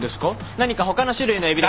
何か他の種類のエビで。